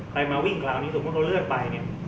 ใครวิ่งคราวนี้สมมติเราเลิศไป